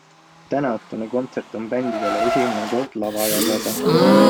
Tänaõhtune kontsert on bändidele esimene kord lava jagada.